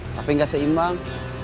tapi gak seimbang